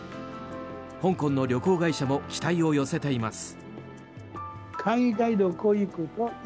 香港の旅行会社も期待を寄せています。